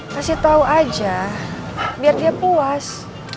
kasih tahu aja biar dia puas